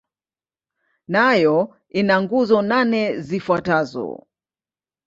Nayo ina nguzo nane zifuatazo.